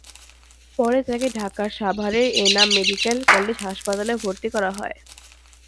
পরে তাঁকে ঢাকার সাভারের এনাম মেডিকেল কলেজ হাসপাতালে ভর্তি করা হয়।